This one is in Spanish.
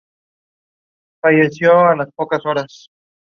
Ayuda desde el exterior.